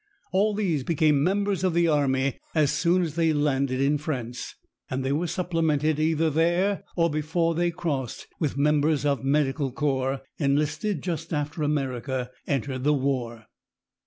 All these became members of the army as soon as they landed in France, and they were supplemented, either there or before they crossed, with members of Medical Corps, enlisted just after America entered the war.